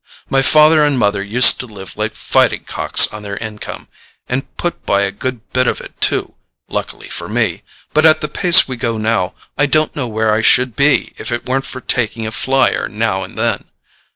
My father and mother used to live like fighting cocks on their income, and put by a good bit of it too—luckily for me—but at the pace we go now, I don't know where I should be if it weren't for taking a flyer now and then.